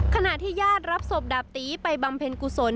ขณะที่ญาติรับศพดาบตีไปบำเพ็ญกุศล